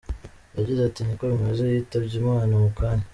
Yagize ati “Niko bimeze yitabye imana mu kanya.